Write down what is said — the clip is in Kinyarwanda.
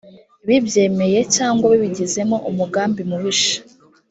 bibyemeye cyangwa bibigizemo umugambi mubisha